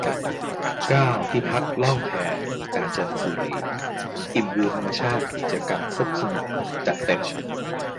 เก้า ที่พักล่องแพกาญจนบุรี อิ่มวิวธรรมชาติ กิจกรรมครบสนุกจัดเต็ม